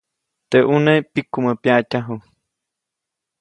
Teʼ ʼune pikumä pyaʼtyaju.